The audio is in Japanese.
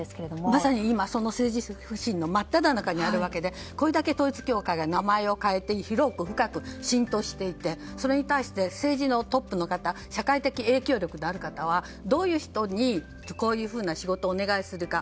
まさに今、政治不信の真っただ中にあるわけでこれだけ統一教会が名前を変えて広く深く浸透していてそれに対して政治トップの方社会的影響力のある方はどういう人にこういうふうな仕事をお願いするか。